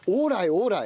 オーライ！」？